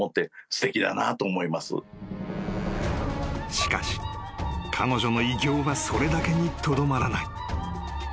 ［しかし彼女の偉業はそれだけにとどまらない］